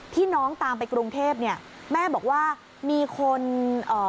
น้องตามไปกรุงเทพเนี่ยแม่บอกว่ามีคนเอ่อ